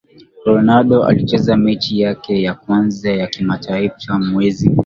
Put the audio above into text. Ronaldo alicheza mechi yake ya kwanza ya kimataifa mwezi